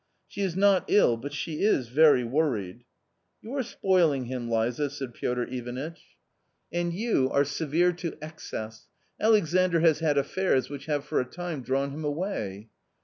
" She is not ill, but she is very worried." " You are spoiling him, Liza," said Piotr Ivanitch. '\ 156 A COMMON STORY " And you are severe to excess. Alexandr has had affairs which have for a time drawn him away."